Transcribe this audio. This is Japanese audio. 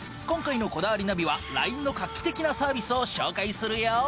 今回の『こだわりナビ』はＬＩＮＥの画期的なサービスを紹介するよ。